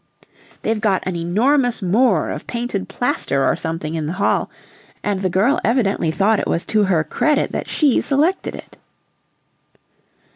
They've got an enormous Moor of painted plaster or something in the hall, and the girl evidently thought it was to her credit that she selected it!"